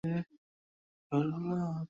ওইজন্যে আমি তখন তোমাদের নিয়ে এ গাযে আসতে চাইনি।